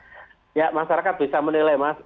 ya masyarakat bisa menilai mas